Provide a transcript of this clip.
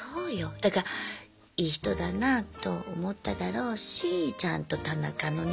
だからいい人だなあと思っただろうしちゃんと田中のね